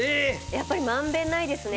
やっぱりまんべんないですね。